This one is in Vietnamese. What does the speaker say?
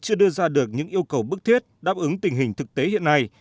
chưa đưa ra được những yêu cầu bức thiết đáp ứng tình hình thực tế hiện nay